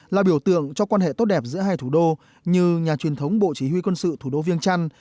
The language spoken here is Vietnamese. là biểu tượng cho quan hệ tốt đẹp giữa hai thủ đô như nhà truyền thống bộ chỉ huy quân sự thủ đô viêng trăn